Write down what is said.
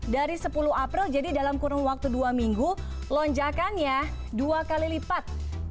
dari sepuluh april jadi dalam kurun waktu dua minggu lonjakannya dua kali lipat